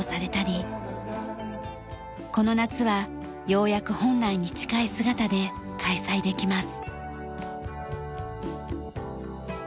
この夏はようやく本来に近い姿で開催できます。